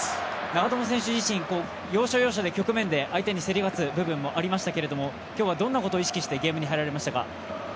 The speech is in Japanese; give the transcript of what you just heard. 長友選手自身、要所要所で相手選手に競り勝つシーンがありましたが今日はどんなことを意識してゲームに入られましたか。